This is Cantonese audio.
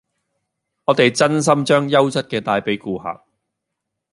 我哋真心將優質嘅帶俾顧客